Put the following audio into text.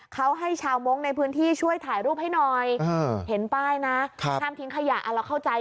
เขาให้ชาวมงค์ในพื้นที่ช่วยถ่ายรูปให้หน่อยเห็นป้ายนะห้ามทิ้งขยะเราเข้าใจ